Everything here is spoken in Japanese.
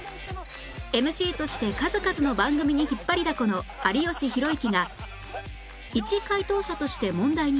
ＭＣ として数々の番組に引っ張りだこの有吉弘行が一解答者として問題に挑む